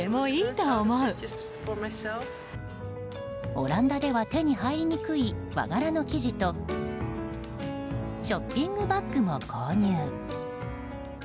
オランダでは手に入りにくい和柄の生地とショッピングバッグも購入。